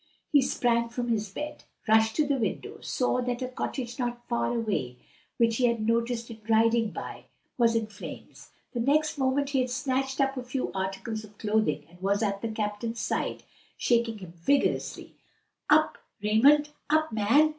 He sprang from his bed, rushed to the window, saw that a cottage not far away, which he had noticed in riding by, was in flames. The next moment he had snatched up a few articles of clothing and was at the captain's side shaking him vigorously. "Up, Raymond! up, man!